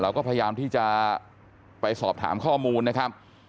เราก็พยายามที่จะไปสอบถามข้อมูลนะครับ